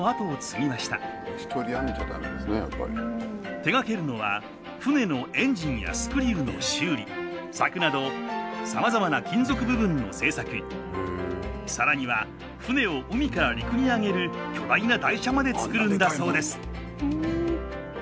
手がけるのは船のエンジンやスクリューの修理柵などさまざまな金属部分の製作更には船を海から陸にあげる巨大な台車まで作るんだそうです。